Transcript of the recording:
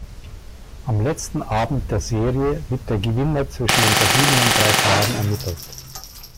Am letzten Abend der Serie wird der Gewinner zwischen den verbliebenen drei Paaren ermittelt.